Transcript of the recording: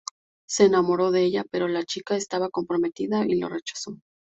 Se enamoró de ella, pero la chica estaba comprometida y lo rechazó.